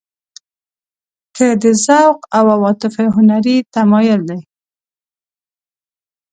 که د ذوق او عواطفو هنري تمایل دی.